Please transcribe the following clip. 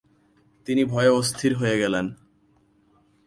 তিনি ভয়ে অস্থির হয়ে গেলেন।